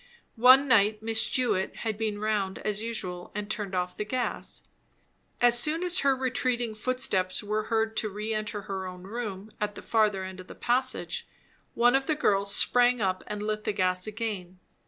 One night Miss Jewett had been round as usual and turned off the gas. As soon as her retreating foot steps were heard to reenter her own room, at the further end of the passage, one of the girls sprang up and lit the gas again.